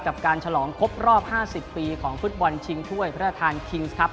กับการฉลองครบรอบ๕๐ปีของฟุตบอลชิงถ้วยพระราชทานคิงส์ครับ